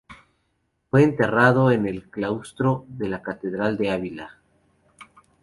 Fue enterrado en el claustro de la catedral de Ávila.